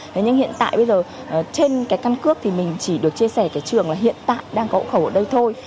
thế nhưng hiện tại bây giờ trên cái căn cước thì mình chỉ được chia sẻ cái trường là hiện tại đang có hộ khẩu ở đây thôi